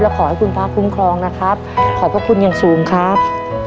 ขอให้คุณพระคุ้มครองนะครับขอบพระคุณอย่างสูงครับ